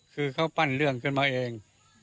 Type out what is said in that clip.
คือเขาปั้นเรื่องขึ้นมาเอง